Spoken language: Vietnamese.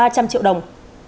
ba trăm linh triệu đồng